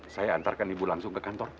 saya antarkan ibu langsung ke kantor